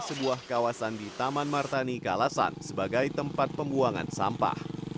sebuah kawasan di taman martani kalasan sebagai tempat pembuangan sampah